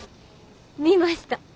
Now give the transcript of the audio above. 見ました。